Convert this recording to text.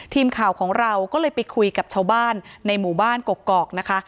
ทีมข่าวของเราก็เลยไปคุยกับชาวบ้านในหมู่บ้านกกอกนะคะ